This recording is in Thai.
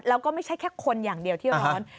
แล้วก็ไม่ใช่แค่คนอย่างเดียวที่ร้อน